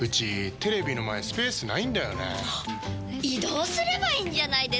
移動すればいいんじゃないですか？